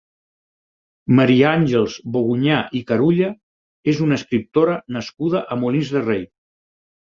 Maria Àngels Bogunyà i Carulla és una escriptora nascuda a Molins de Rei.